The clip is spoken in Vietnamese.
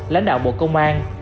lãnh đạo bộ công an